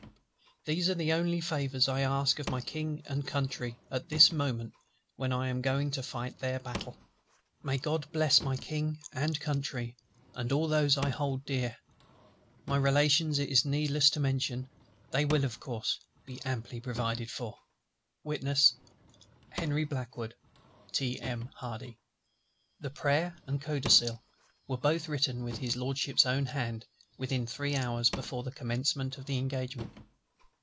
"These are the only favours I ask of my King and Country, at this moment when I am going to fight their battle. May GOD bless my King and Country, and all those I hold dear! My Relations it is needless to mention: they will of course be amply provided for. "NELSON and BRONTE. "Witness {HENRY BLACKWOOD. {T.M. Hardy" The prayer and codicil were both written with HIS LORDSHIP'S own hand, within three hours before the commencement of the engagement.